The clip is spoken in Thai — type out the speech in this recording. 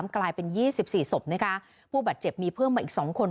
กลายเป็น๒๔ศพนะคะผู้บาดเจ็บมีเพิ่มมาอีก๒คน